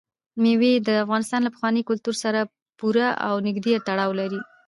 مېوې د افغانستان له پخواني کلتور سره پوره او نږدې تړاو لري.